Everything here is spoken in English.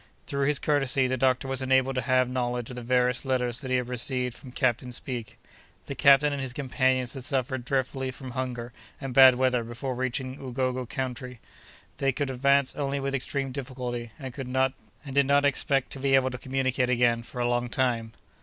Through his courtesy, the doctor was enabled to have knowledge of the various letters that he had received from Captain Speke. The captain and his companions had suffered dreadfully from hunger and bad weather before reaching the Ugogo country. They could advance only with extreme difficulty, and did not expect to be able to communicate again for a long time.